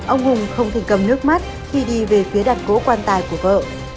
ông hùng không thể cầm nước mắt khi đi về phía đàn cỗ quan tài của vợ